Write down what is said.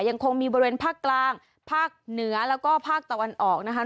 ยังคงมีบริเวณภาคกลางภาคเหนือแล้วก็ภาคตะวันออกนะคะ